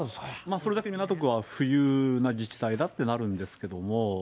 それだけ港区は富裕な自治体だってなるんですけれども。